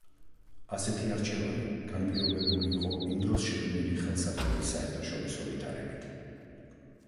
ასეთი არჩევანი განპირობებული იყო იმ დროს შექმნილი ხელსაყრელი საერთაშორისო ვითარებით.